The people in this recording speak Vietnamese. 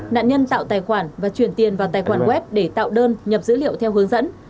nạn nhân tạo tài khoản và chuyển tiền vào tài khoản web để tạo đơn nhập dữ liệu theo hướng dẫn